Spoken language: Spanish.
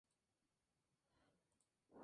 Sin embargo, Portugal si está interesado.